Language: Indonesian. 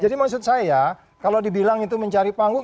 jadi maksud saya kalau dibilang itu mencari panggung